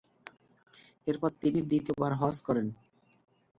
এরপর তিনি দ্বিতীয়বার হজ্জ করেন।